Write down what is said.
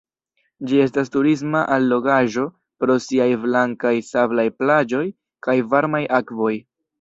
Ĝi estas turisma allogaĵo pro siaj blankaj sablaj plaĝoj kaj varmaj akvoj.